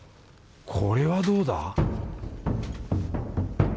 これはどうだ？